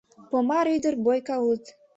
Помар ӱдыр бойка улыт